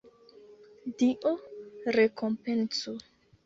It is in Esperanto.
Dio rekompencu!